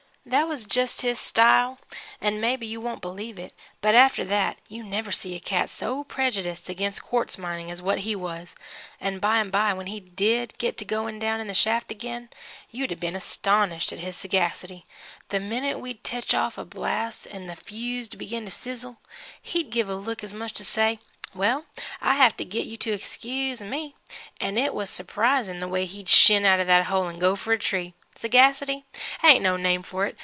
"That was jest his style. An' maybe you won't believe it, but after that you never see a cat so prejudiced agin quartz mining as what he was. An' by an' by when he did get to goin' down in the shaft ag'in, you'd 'a' been astonished at his sagacity. The minute we'd tetch off a blast 'n' the fuse'd begin to sizzle, he'd give a look as much as to say, 'Well, I'll have to git you to excuse me,' an' it was supris'n' the way he'd shin out of that hole 'n' go f'r a tree. Sagacity? It ain't no name for it.